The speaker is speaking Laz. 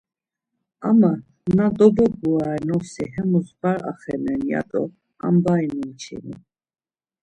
Ama na dobogurare nosi hemus var axenen’ ya do ambai numçinu.